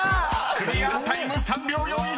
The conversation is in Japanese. ［クリアタイム３秒４１］